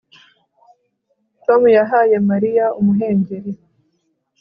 Tom yahaye Mariya umuhengeri